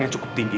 yang cukup tinggi